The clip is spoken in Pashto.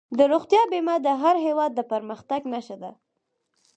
د روغتیا بیمه د هر هېواد د پرمختګ نښه ده.